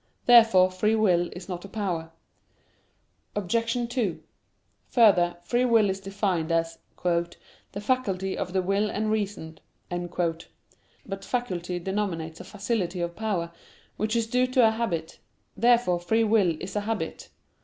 Therefore free will is not a power. Obj. 2: Further, free will is defined as "the faculty of the will and reason." But faculty denominates a facility of power, which is due to a habit. Therefore free will is a habit.